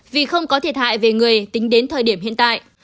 vì không có thiệt hại về người tính đến thời điểm hiện tại